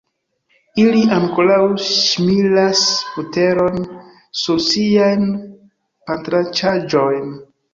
Ili ankoraŭ ŝmiras buteron sur siajn pantranĉaĵojn.